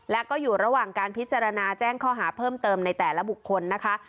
และก็อยู่ระหว่างการพิจารณาแจ้งข้อหาเพิ่มเติมในแต่ละบุคคลนะคะ